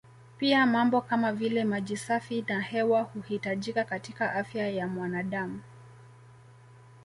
Pia mambo kama vile maji safi na hewa huhitajika katika afya ya mwanadam